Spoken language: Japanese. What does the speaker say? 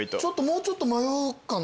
もうちょっと迷うかな。